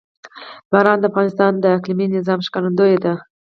باران د افغانستان د اقلیمي نظام ښکارندوی ده.